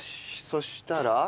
そしたら。